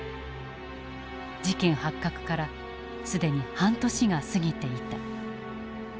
事件発覚から既に半年が過ぎていた。